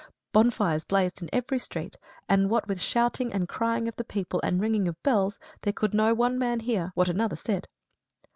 Bonfires blazed in every street; and what with shouting and crying of the people, and ringing of bells, there could no one man hear what another said.